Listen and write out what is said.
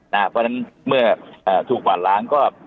นะครับนะเพราะฉะนั้นเมื่ออ่าถูกกวาดล้างก็อ่ะ